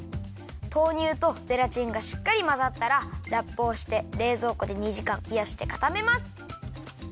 豆乳とゼラチンがしっかりまざったらラップをしてれいぞうこで２じかんひやしてかためます。